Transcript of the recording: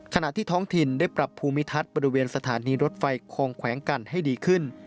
ขณะที่ท้องถิ่นได้ปรับภูมิทัศน์บริเวณสถานีรถไฟคลองแขวงกันให้ดีขึ้น